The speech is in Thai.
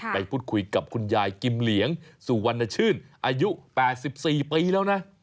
ไปพูดคุยกับคุณยายกิมเหลียงสุวรรณชื่นอายุ๘๔ปีแล้วนะ